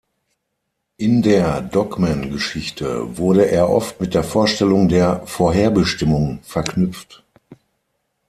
In der Dogmengeschichte wurde er oft mit der Vorstellung der „Vorherbestimmung“ verknüpft.